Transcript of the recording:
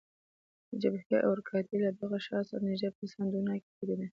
د جبهې اورګاډی له دغه ښار سره نږدې په سان ډونا کې تیریده.